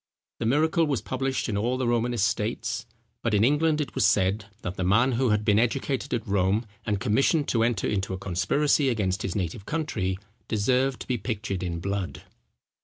The miracle was published in all the Romanist states; but in England, it was said, that the man who had been educated at Rome, and commissioned to enter into a conspiracy against his native country, deserved to be pictured in blood.